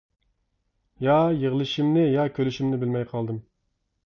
يا يىغلىشىمنى يا كۈلۈشۈمنى بىلمەي قالدىم.